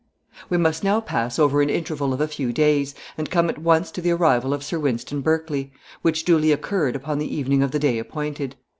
We must now pass over an interval of a few days, and come at once to the arrival of Sir Wynston Berkley, which duly occurred upon the evening of the day appointed.